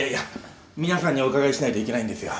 皆さんにお伺いしないといけないんですよ。